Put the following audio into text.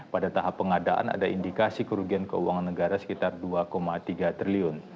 pada tahap pengadaan ada indikasi kerugian keuangan negara sekitar rp dua tiga triliun